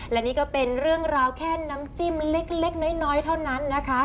และนี่ก็เป็นเรื่องราวแค่น้ำจิ้มเล็กน้อยเท่านั้นนะคะ